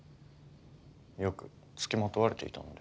よく付きまとわれていたので。